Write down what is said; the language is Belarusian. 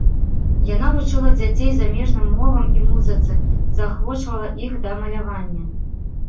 Яна вучыла дзяцей замежным мовам і музыцы, заахвочвала іх да малявання.